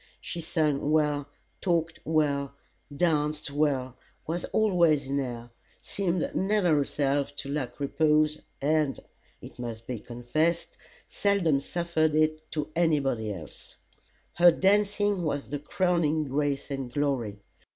She sung well, talked well, danced well was always in air seemed never herself to lack repose, and, it must be confessed, seldom suffered it to any body else. Her dancing was the crowning grace and glory.